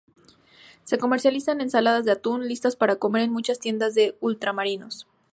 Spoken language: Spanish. Se comercializan ensaladas de atún listas para comer en muchas tiendas de ultramarinos.